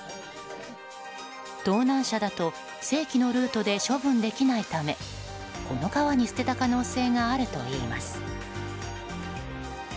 盗難車だと正規のルートで処分できないためこの川に捨てた可能性があるといいます。